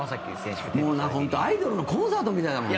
中居：本当、アイドルのコンサートみたいだもんね。